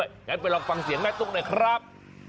งั้นไปลองฟังเสียงแม่ตุ๊กหน่อยครับ